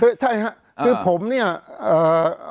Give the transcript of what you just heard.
เพราะฉะนั้นประชาธิปไตยเนี่ยคือการยอมรับความเห็นที่แตกต่าง